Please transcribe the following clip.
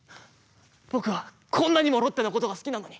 僕はこんなにもロッテのことが好きなのに。